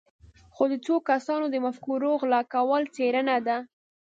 خو د څو کسانو د مفکورو غلا کول څېړنه ده.